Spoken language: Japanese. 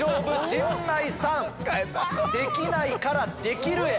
陣内さん「できない」から「できる」へ！